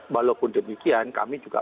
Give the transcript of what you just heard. walaupun demikian kami juga